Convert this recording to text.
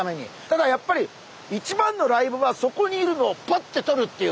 ただやっぱり一番のライブはそこにいるのをパッととるっていうね。